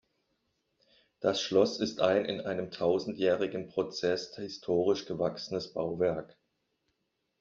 Das Schloss ist ein in einem tausendjährigen Prozess historisch gewachsenes Bauwerk.